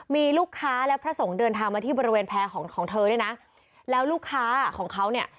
มีลูกค้าและพระสงฆ์เดินทางมาที่บริเวณแพร่ของของเธอด้วยนะแล้วลูกค้าของเขาเนี่ย